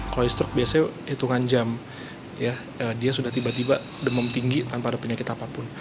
kalau heat stroke biasanya hitungan jam ya dia sudah tiba tiba demam tinggi tanpa ada penyakit apapun